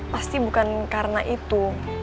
pasti bukan karena itu